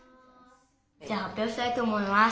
じゃあ発表したいと思います。